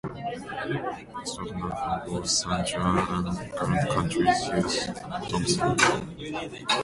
Stockmen from both San Juan and Grand counties used Thompson.